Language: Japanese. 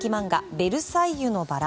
「ベルサイユのばら」